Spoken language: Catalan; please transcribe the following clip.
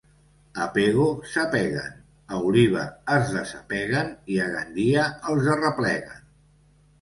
A Pego s'apeguen, a Oliva es desapeguen i a Gandia els arrepleguen.